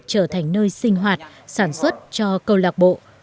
trở thành nơi sinh hoạt sản xuất cho câu lạc bộ